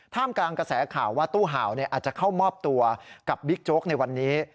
กลางกระแสข่าวว่าตู้เห่าอาจจะเข้ามอบตัวกับบิ๊กโจ๊กในวันนี้